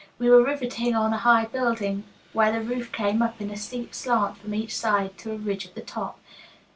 We were riveting on a high building, where the roof came up in a steep slant from each side to a ridge at the top.